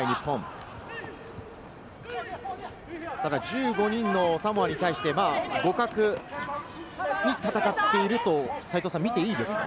１人少ない日本、１５人のサモアに対して互角に戦っていると見ていいですか？